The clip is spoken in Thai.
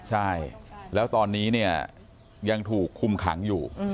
ใช่แล้วตอนนี้เนี่ยยังถูกคุมขังอยู่